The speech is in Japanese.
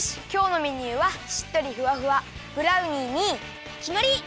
きょうのメニューはしっとりふわふわブラウニーにきまり！